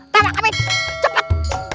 tarak amin cepat